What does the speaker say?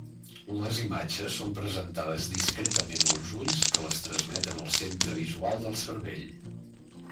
Les imatges són presentades discretament als ulls que les transmeten al centre visual del cervell.